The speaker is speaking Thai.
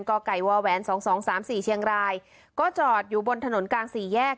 ก็ไก่วาแวนสองสองสามสี่เชียงรายก็จอดอยู่บนถนนกลางสี่แยก